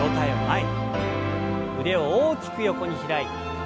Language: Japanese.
腕を大きく横に開いて。